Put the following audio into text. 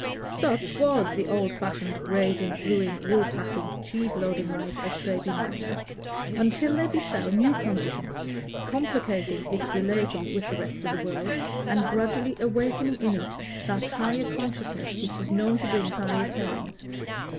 Such was the old fashioned, grazing, brewing, wool packing, cheese loading life of Treby Magna, until there befell new conditions, complicating its relation with the rest of the world, and gradually awakening in it that higher consciousness which is known to bring higher pains.